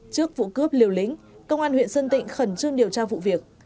trước vụ cướp liều lính công an huyện sơn tịnh khẩn trương điều tra vụ việc